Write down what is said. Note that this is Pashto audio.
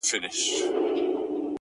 خو مخته دي ځان هر ځلي ملنگ در اچوم’